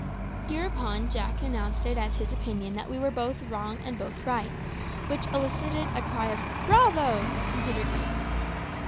Hereupon Jack announced it as his opinion that we were both wrong and both right; which elicited a cry of "Bravo!" from Peterkin.